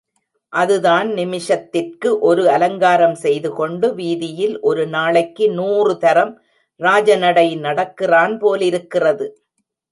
அதுதான் நிமிஷத்திற்கு ஒரு அலங்காரம் செய்துகொண்டு வீதியில் ஒரு நாளைக்கு நூறுதரம் ராஜ நடை நடக்கிறான் போலிருக்கிறது.